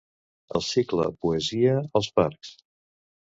El cicle Poesia als parcs.